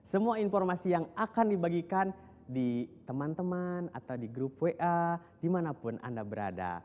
semua informasi yang akan dibagikan di teman teman atau di grup wa dimanapun anda berada